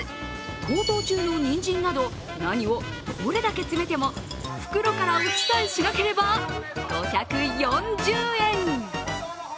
高騰中のにんじんなど何をどれだけ詰めても袋から落ちさえしなければ５４０円。